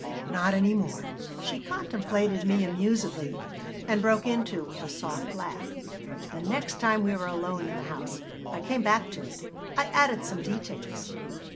Not any more." She contemplated me amusedly and broke into a soft laugh The next time we were alone in the house I came back to it. I added some details.